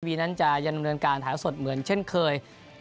ทีวีนั้นจะยังเริ่มเริ่มการถ่ายเท้าสดเหมือนเช่นเคย